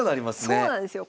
そうなんですよ。